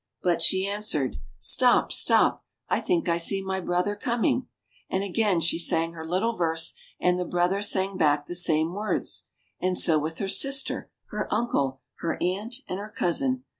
But she answered, "Stop, stop, I think I see my brother coming!" And again she sang her little verse, and the brother sang back the same words. And so with her sister, her uncle, her aunt, and her cousin.